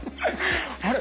あれ？